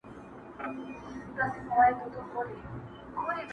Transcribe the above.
خانه ستا او د عُمرې یې سره څه,